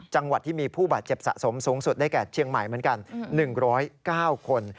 จังหวัดที่มีผู้บาดเจ็บสะสมสูงสุดได้แก่เชียงใหม่เหมือนกัน๑๐๙คน